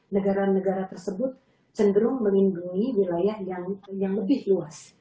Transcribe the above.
negara negara tersebut cenderung melindungi wilayah yang lebih luas